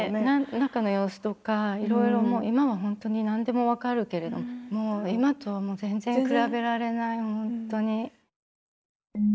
中の様子とかいろいろもう今は本当に何でも分かるけれども今とはもう全然比べられない本当に。